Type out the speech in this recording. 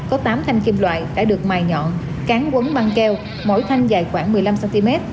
có tám thanh kim loại đã được mài nhọn cán quấn băng keo mỗi thanh dài khoảng một mươi năm cm